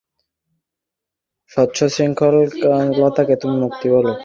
হারান কহিলেন, উচ্ছৃঙ্খলতাকে তুমি মুক্তি বল!